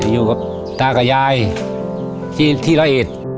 อยู่กับตากับยายที่ร้อยเอ็ด